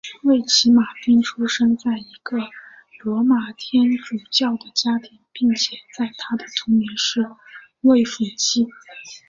瑞奇马汀出生在一个罗马天主教的家庭并且在他的童年是位辅祭。